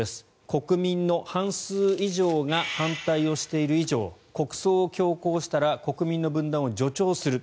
国民の半数以上が反対をしている以上国葬を強行したら国民の分断を助長する